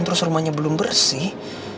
terus rumahnya belum bersih